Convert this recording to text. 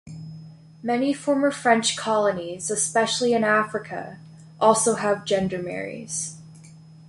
Many former French colonies, especially in Africa, also have gendarmeries.